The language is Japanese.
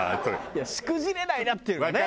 いやしくじれないなっていうね。